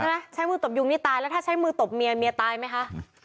ใช้มือตบยุงนี่ตายแล้วถ้าใช้มือตบเมียเมียตายไหมคะ